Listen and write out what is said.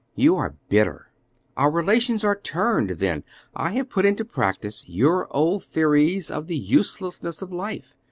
"You are bitter." "Our relations are turned, then; I have put into practice your old theories of the uselessness of life.